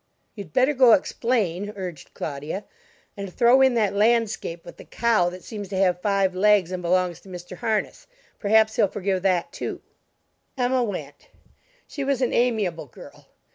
"You'd better go explain," urged Claudia, "and throw in that landscape with the cow that seems to have five legs and belongs to Mr. Harness. Perhaps he'll forgive that, too." Emma went, she was an amiable girl.